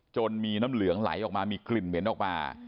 มีน้ำเหลืองไหลออกมามีกลิ่นเหม็นออกมา